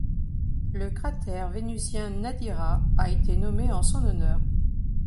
Le cratère vénusien Nadira a été nommé en son honneur.